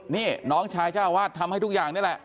นี่น้องชายเจ้าวาดทำให้ทุกอย่างนี่แหละ